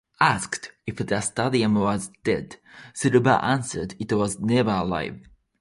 Asked if the stadium was dead, Silver answered, It was never alive.